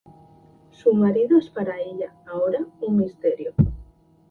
Su marido es para ella, ahora, un misterio.